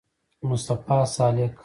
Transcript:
مصطفی سالک